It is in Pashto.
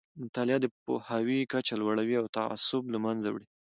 مطالعه د پوهاوي کچه لوړوي او تعصب له منځه وړي.